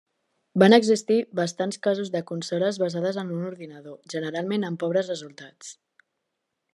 Van existir bastants casos de consoles basades en un ordinador, generalment amb pobres resultats.